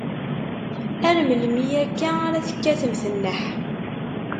Ar melmi akka ara tekkatemt nneḥ?